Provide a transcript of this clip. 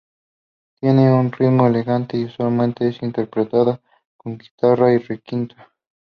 Tiene un ritmo alegre y usualmente es interpretada con guitarra y requinto.